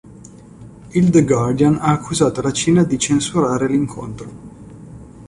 Il "The Guardian" ha accusato la Cina di censurare l'incontro.